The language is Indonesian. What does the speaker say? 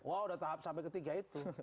wah udah tahap sampai ketiga itu